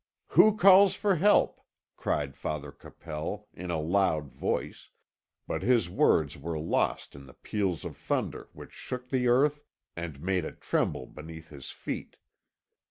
"Who calls for help?" cried Father Capel, in a loud voice, but his words were lost in the peals of thunder which shook the earth and made it tremble beneath his feet.